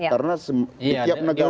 karena setiap negara